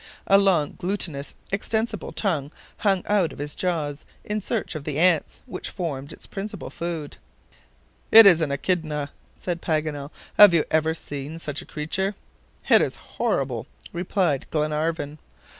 A long glutinous extensible tongue hung out of his jaws in search of the ants, which formed its principal food. "It is an echidna," said Paganel. "Have you ever seen such a creature?" "It is horrible," replied Glenarvan.